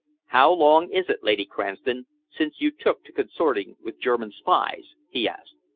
"How long is it, Lady Cranston, since you took to consorting with German spies?" he asked.